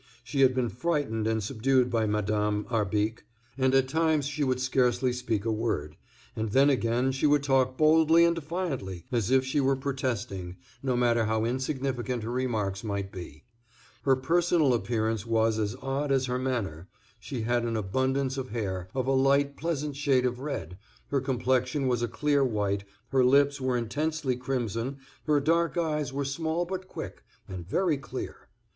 She had been frightened and subdued by Madame Arbique, and at times she would scarcely speak a word, and then again she would talk boldly and defiantly, as if she were protesting, no matter how insignificant her remarks might be. Her personal appearance was as odd as her manner; she had an abundance of hair, of a light, pleasant shade of red, her complexion was a clear white, her lips were intensely crimson, her dark eyes were small but quick, and very clear.